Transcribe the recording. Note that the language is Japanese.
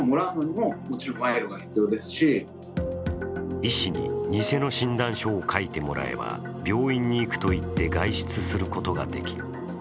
医師に偽の診断書を書いてもらえば病院に行くと言って外出することができる。